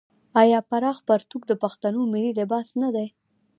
آیا پراخ پرتوګ د پښتنو ملي لباس نه دی؟